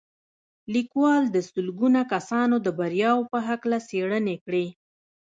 ليکوال د سلګونه کسانو د برياوو په هکله څېړنې کړې.